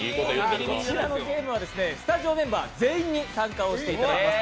こちらのゲームはスタジオメンバー全員に参加をしていただきます。